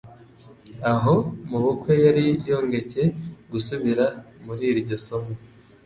Aho mu bukwe yari yongcye gusubira muri iryo somo.